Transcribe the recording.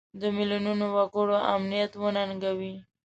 د میلیونونو وګړو امنیت وننګوي.